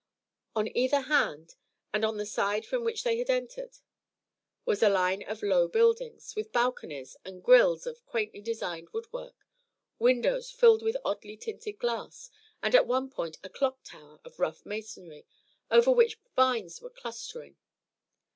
On either hand, and on the side from which they had entered, was a line of low buildings, with balconies and grilles of quaintly designed wood work, windows filled with oddly tinted glass, and at one point a clock tower of rough masonry, over which vines were clustering.